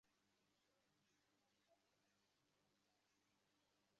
আমার অনেক ভ্রমন করতে হবে।